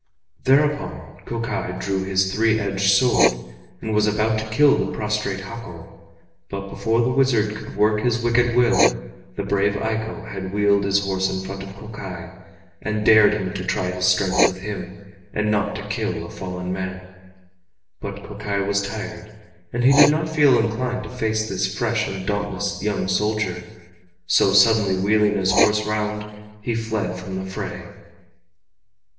Thereupon Kokai drew his three edged sword and was about to kill the prostrate Hako, but before the wizard could work his wicked will the brave Eiko had wheeled his horse in front of Kokai and dared him to try his strength with him, and not to kill a fallen man. But Kokai was tired, and he did not feel inclined to face this fresh and dauntless young soldier, so suddenly wheeling his horse round, he fled from the fray.